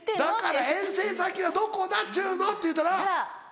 「だから遠征先はどこだっていうの！」って言うたら？